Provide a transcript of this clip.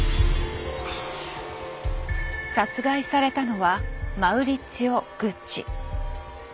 殺害されたのはマウリッツィオ・グッチ。